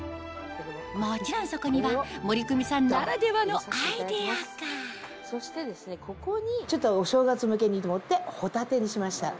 もちろんそこには森クミさんならではのアイデアがちょっとお正月向けにと思って帆立にしました。